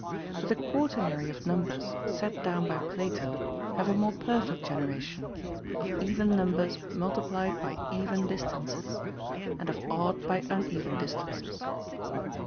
But the quaternary of numbers set down by Plato have a more perfect genera tion, of even numbers multi plied by even distances, and of odd by uneven distances.